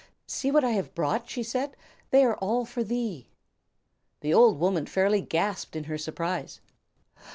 "See what I have brought," she said; "they are all for thee." The old woman fairly gasped in her surprise.